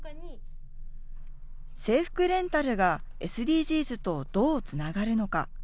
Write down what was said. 制服レンタルがＳＤＧｓとどうつながるのか。